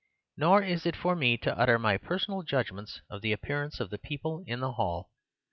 Nor is it for me to utter my personal judgements of the appearance of the people in the hall.